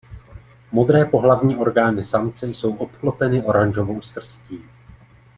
Modré pohlavní orgány samce jsou obklopeny oranžovou srstí.